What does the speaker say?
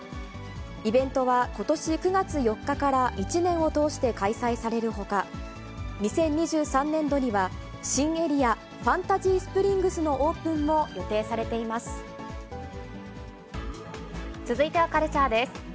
イベントはことし９月４日から１年を通して開催されるほか、２０２３年度には、新エリア、ファンタジースプリングスのオー続いてはカルチャーです。